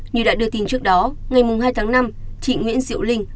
như đã đưa tin trước đó ngày hai tháng năm chị nguyễn diệu linh